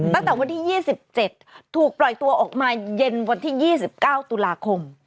ตั้งแต่วันที่๒๗ถูกปล่อยตัวออกมาเย็นวันที่๒๙ตุลาคม